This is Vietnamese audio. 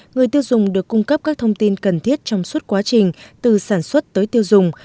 người tiêu dùng được cung cấp các thông tin cần thiết trong suốt quá trình từ sản xuất tới tiêu dùng